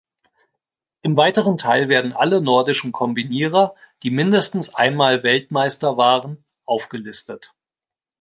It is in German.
Im weiteren Teil werden alle Nordischen Kombinierer, die mindestens einmal Weltmeister waren, aufgelistet.